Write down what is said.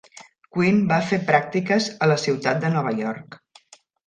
Quinn va fer pràctiques a la ciutat de Nova York.